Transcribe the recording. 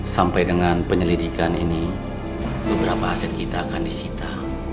sampai dengan penyelidikan ini beberapa aset kita akan disita